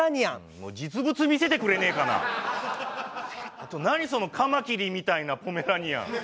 あと何そのカマキリみたいなポメラニアン。